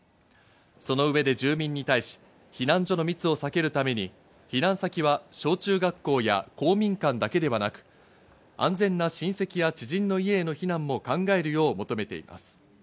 その上で住民に対し、避難所の密を避けるために、避難先は小中学校や公民館だけではなく、安全な親戚や知人の家への避難も考えるよう求めています。